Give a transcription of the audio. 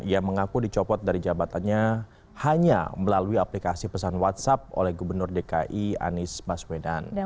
ia mengaku dicopot dari jabatannya hanya melalui aplikasi pesan whatsapp oleh gubernur dki anies baswedan